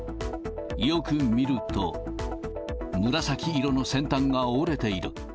よく見ると、紫色の先端が折れている。